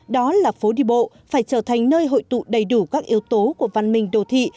đó là phố đi bộ phải trở thành nơi hội tụ đầy đủ các yếu tố của văn minh đồ thị